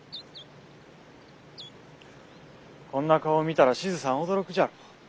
こんな顔を見たら志津さんは驚くじゃろう。